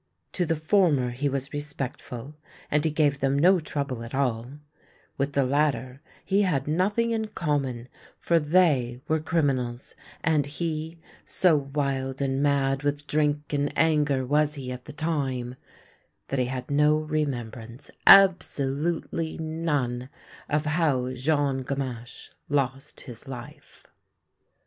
To the former he was respectful, and he gave them no trouble at all ; with the latter he had nothing in common, for they were criminals, and he — so wild and mad with drink and anger was he at the time, that he 17 258 THE LANE THAT HAD NO TURNING had no remembrance, absolutely none, of how Jean Gamache lost his life.